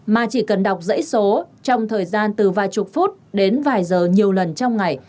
mà chỉ cần đọc giấy số trong thời gian từ vài chục phút đến vài giờ nhiều lần trong ngày